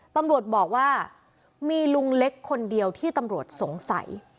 ตำรวจบอกว่ามีลุงเล็กคนเดียวที่ตำรวจสงสัย